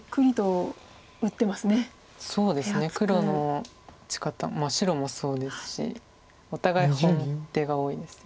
黒の打ち方白もそうですしお互い本手が多いです。